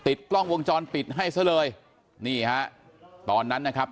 กล้องวงจรปิดให้ซะเลยนี่ฮะตอนนั้นนะครับ